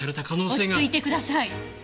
落ち着いてください。